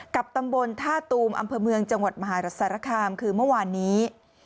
กับตำบลท่าตูมอำเภอเมืองจังหวัดมหาสารคามคือเมื่อวานนี้